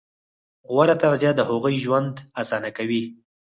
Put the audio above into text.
غوره تغذیه د هغوی ژوند اسانه کوي.